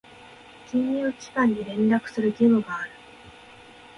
金融機関に連絡する義務がある。